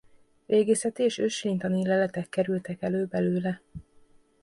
Régészeti és őslénytani leletek kerültek elő belőle.